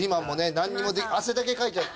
なんにも汗だけかいちゃった。